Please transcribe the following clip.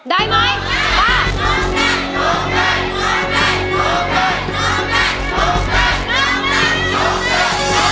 ได้ไหมได้